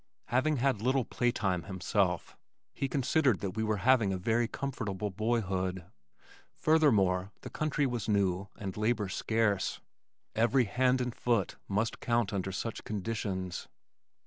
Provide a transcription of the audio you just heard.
Having had little play time himself, he considered that we were having a very comfortable boyhood. Furthermore the country was new and labor scarce. Every hand and foot must count under such conditions.